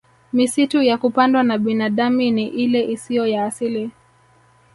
Misitu ya kupandwa na binadami ni ile isiyo ya asili